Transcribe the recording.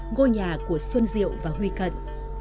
ngôi nhà của xuân diệu và huy cận